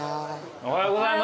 おはようございます。